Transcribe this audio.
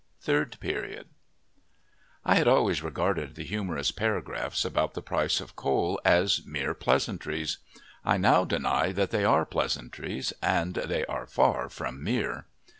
THIRD PERIOD I had always regarded the humorous paragraphs about the price of coal as mere pleasantries. I now deny that they are pleasantries, and they are far from "mere."